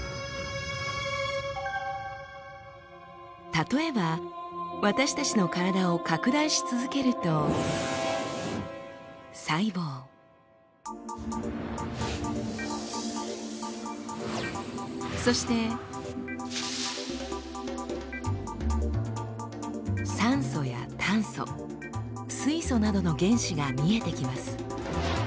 例えば私たちの体を拡大し続けると細胞そして酸素や炭素水素などの原子が見えてきます。